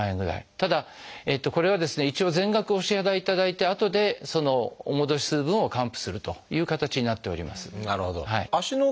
ただこれはですね一度全額お支払いいただいてあとでお戻しする分を還付するという形になっております。